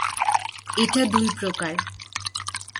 এটা দুই প্রকার।